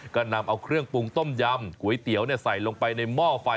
ก็นำเอาเครื่องปรุงต้มยำก๋วยเตี๋ยวใส่ลงไปในหม้อไฟ